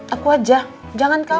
aku aja jangan kamu